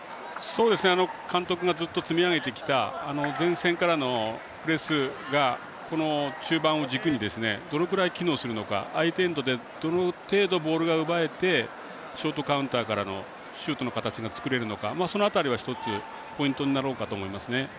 監督がずっと積み上げてきた前線からのプレスが中盤を軸にどのくらい機能するのかどの程度、ボールが奪えてショートカウンターからのシュートの形が作れるのかその辺りが１つポイントになろうかと思います。